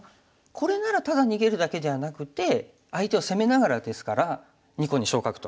これならただ逃げるだけじゃなくて相手を攻めながらですから２個に昇格と。